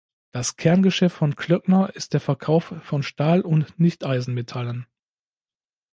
Das Kerngeschäft von Klöckner ist der Verkauf von Stahl und Nichteisenmetallen.